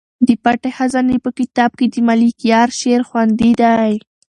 د پټې خزانې په کتاب کې د ملکیار شعر خوندي دی.